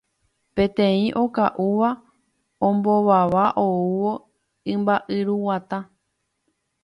Peteĩ oka'úva ombovava oúvo imba'yruguata.